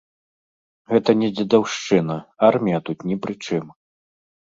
Гэта не дзедаўшчына, армія тут ні пры чым.